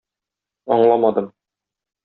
Аңламадым...